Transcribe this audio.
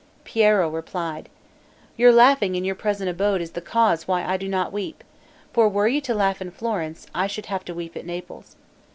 Piero replied: "Your laughing in your present abode is the cause why I do not weep, for were you to laugh in Florence, I should have to weep at Naples.